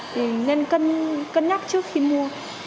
thì nên cân nhắc trước khi mua